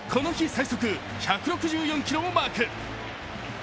最速１６４キロをマーク。